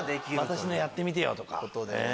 「私のやってみてよ」とか。